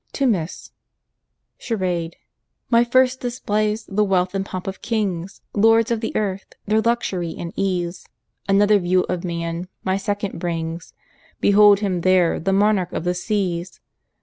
To Miss—— CHARADE. My first displays the wealth and pomp of kings, Lords of the earth! their luxury and ease. Another view of man, my second brings, Behold him there, the monarch of the seas!